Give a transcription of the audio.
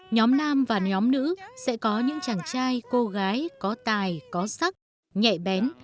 nhóm nam và nhóm nữ sẽ có những chàng trai cô gái có tài có sắc nhạy bén